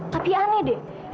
tapi aneh deh